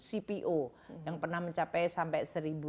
cpo yang pernah mencapai sampai